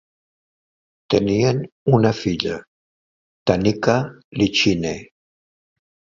Tenien una filla, Tanica Lichine.